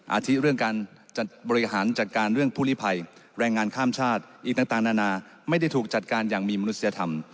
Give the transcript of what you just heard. อาทิตเรื่องการจัดบริหารจัดการเรื่องผู้ลิภัยแรงงานข้ามชาติอีกต่างนานาไม่ได้ถูกจัดการอย่างมีมนุษยธรรม